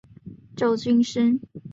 它们会在悬崖的洞中筑巢。